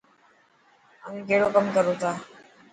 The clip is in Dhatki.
اوهين ڪهڙو ڪم ڪرو ٿا؟